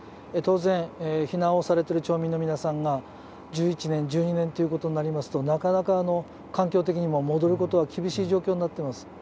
当然、避難をされている町民の皆さんが１１年、１２年となりますとなかなか環境的にも戻ることは厳しい状況になっています。